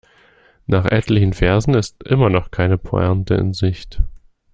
Nach etlichen Versen ist immer noch keine Pointe in Sicht.